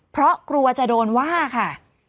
เพราะกลัวจะโดนว่าค่ะ